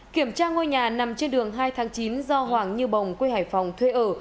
kiểm tra ngôi nhà nằm trên đường hai tháng chín do hoàng như bồng quê hải phòng thuê ở